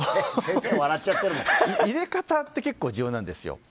入れ方って結構重要なんですよ。